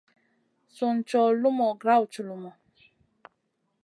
Sùn cow lumu grawd culumu.